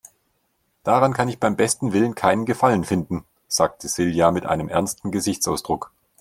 Daran kann ich beim besten Willen keinen Gefallen finden, sagte Silja mit einem ernsten Gesichtsausdruck.